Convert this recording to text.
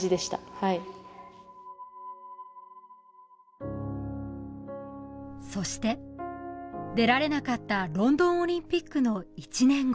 はいそして出られなかったロンドンオリンピックの１年後